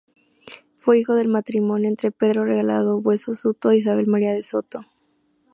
Fue hijo del matrimonio entre: Pedro Regalado Bueso Soto e Isabel María de Soto.